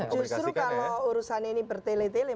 justru kalau urusan ini bertelet telet